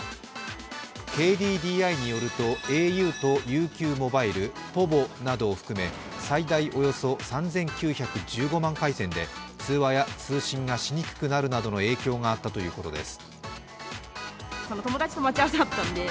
ＫＤＤＩによると、ａｕとＵＱｍｏｂｉｌｅ、ｐｏｖｏなどを含め、最大およそ３９１５万回線で通話や通信がしにくくなるなどの影響があったということです。